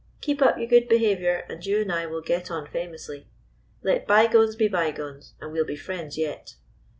Keep up your good behavior, and you and I will get on famously. Let bygones be bygones, and we 'll be friends yet."